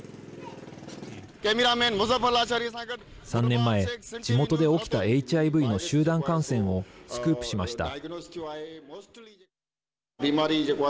３年前、地元で起きたＨＩＶの集団感染をスクープしました。